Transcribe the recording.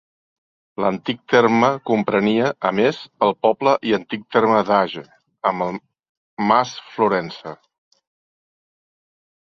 L’antic terme comprenia, a més, el poble i antic terme d'Age, amb el mas Florença.